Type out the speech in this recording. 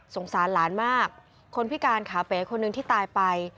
สารหลานมากคนพิการขาเป๋คนหนึ่งที่ตายไป